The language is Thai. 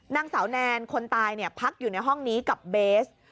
นางสาวแนนคนตายพักอยู่ในห้องนี้กับเบส